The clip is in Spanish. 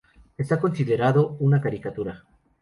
Está considerado una caricatura.